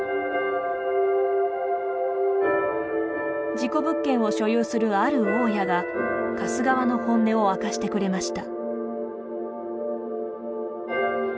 事故物件を所有するある大家が貸す側の本音を明かしてくれました。